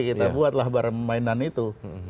kita buatlah barang mainan itu